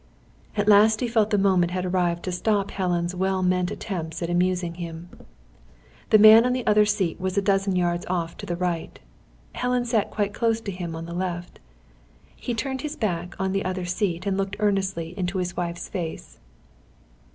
At last he felt the moment had arrived to stop Helen's well meant attempts at amusing him. The man on the other seat was a dozen yards off to the right. Helen sat quite close to him on the left. He turned his back on the other seat and looked earnestly into his wife's face.